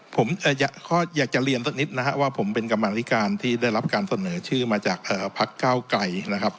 ผมอยากจะเรียนสักนิดนะครับว่าผมเป็นกรรมธิการที่ได้รับการเสนอชื่อมาจากพักเก้าไกลนะครับ